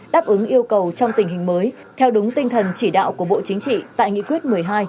đáp ứng yêu cầu trong tình hình mới theo đúng tinh thần chỉ đạo của bộ chính trị tại nghị quyết một mươi hai